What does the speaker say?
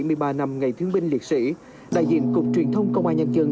bảy mươi ba năm ngày thương binh liệt sĩ đại diện cục truyền thông công an nhân dân